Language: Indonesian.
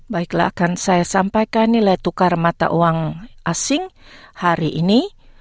baiklah akan saya sampaikan nilai tukar mata uang asing hari ini